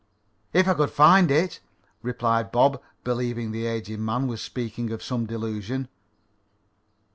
"If I could find it," replied Bob, believing the aged man was speaking of some delusion.